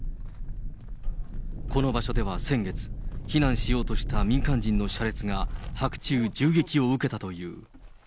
この場所では先月、避難しようとした民間人の車列が、白昼、銃撃を受けたという。